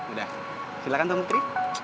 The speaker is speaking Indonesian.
udah silahkan tuh mekri